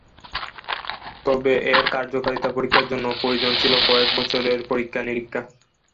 তবে এর কার্যকারিতা পরীক্ষার জন্য প্রয়োজন ছিল কয়েক বছরের পরীক্ষা-নিরীক্ষা।